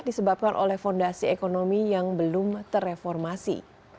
disebabkan oleh fondasi ekonomi yang belum terreformasi